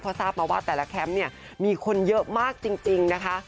ทราบมาว่าแต่ละแคมป์เนี่ยมีคนเยอะมากจริงนะคะ